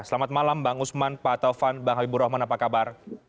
selamat malam bang usman pak taufan bang habibur rahman apa kabar